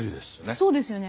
そうですよね。